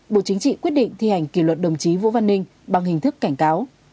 bộ chính trị quyết định thi hành kỷ luật đồng chí vũ văn ninh bằng hình thức cảnh cáo